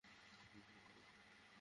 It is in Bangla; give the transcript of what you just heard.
ঠিক আছে, বেটা।